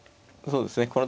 そうですね